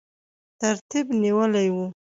ترتیب نیولی وو.